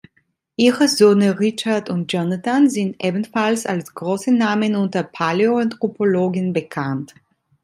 Ihre Söhne Richard und Jonathan sind ebenfalls als „große Namen“ unter Paläoanthropologen bekannt.